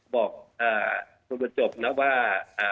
บอกคุณประจบนะว่า